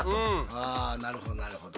あなるほどなるほど。